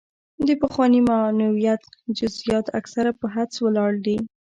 د پخواني معنویت جزیات اکثره په حدس ولاړ دي.